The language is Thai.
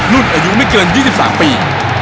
รุ่นอายุไม่เกิน๒๓ปี